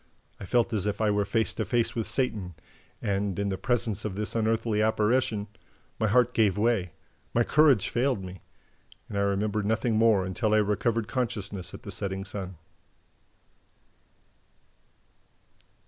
I felt as if I were face to face with Satan; and, in the presence of this unearthly apparition, my heart gave way, my courage failed me ... and I remember nothing more until I recovered consciousness at the Setting Sun."